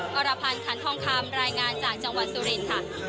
กรพันธ์ขันทองคำรายงานจากจังหวัดสุรินทร์ค่ะ